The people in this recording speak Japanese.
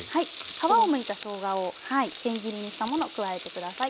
皮をむいたしょうがをはいせん切りにしたものを加えて下さい。